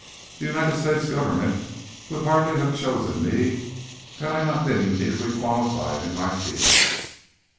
"The United States Government would hardly have chosen me had I not been uniquely qualified in my field."